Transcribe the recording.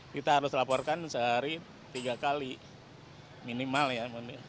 kita harus laporkan sehari tiga kali minimal ya